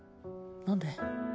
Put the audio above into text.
何で？